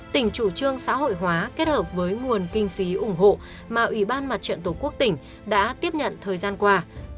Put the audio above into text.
tỉnh chủ trương xã hội hóa kết hợp với nguồn kinh phí ủng hộ mà ủy ban mặt trận tổ quốc tỉnh đã tiếp nhận thời gian qua